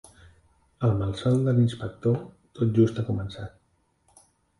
El malson de l'inspector tot just ha començat.